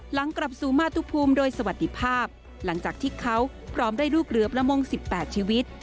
หลังกลับสู่มาตุภูมิโดยสวัสดีภาพหลังจากที่เขาพร้อมได้ลูกเรือประมง๑๘ชีวิต